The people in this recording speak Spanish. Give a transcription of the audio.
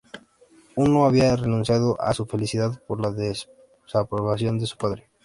Uno había renunciado a su felicidad por la desaprobación de su padre.